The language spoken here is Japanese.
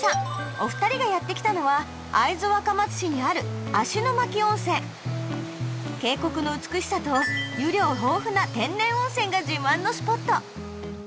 お二人がやって来たのは会津若松市にある芦ノ牧温泉渓谷の美しさと湯量豊富な天然温泉が自慢のスポット